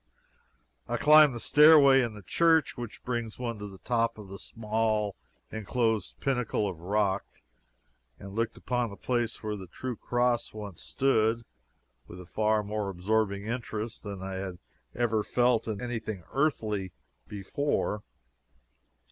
I climbed the stairway in the church which brings one to the top of the small inclosed pinnacle of rock, and looked upon the place where the true cross once stood, with a far more absorbing interest than I had ever felt in any thing earthly before.